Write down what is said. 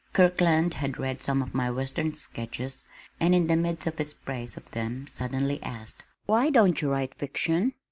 Kirkland had read some of my western sketches and in the midst of his praise of them suddenly asked, "Why don't you write fiction?"